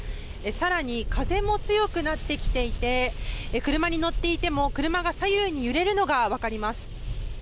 更に風も強くなってきていて車に乗っていても、車が左右に揺れるのが分かります。